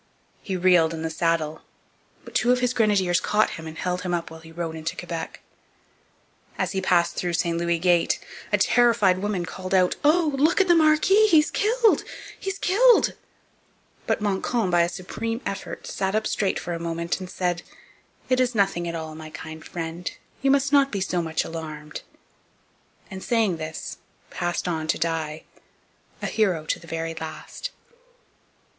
He reeled in the saddle. But two of his grenadiers caught him and held him up while he rode into Quebec. As he passed through St Louis Gate a terrified woman called out, 'Oh! look at the marquis, he's killed, he's killed!' But Montcalm, by a supreme effort, sat up straight for a moment and said: 'It is nothing at all, my kind friend; you must not be so much alarmed!' and, saying this, passed on to die, a hero to the very last.